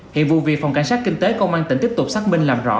hiện vụ việc phòng cảnh sát kinh tế công an tỉnh tiếp tục xác minh làm rõ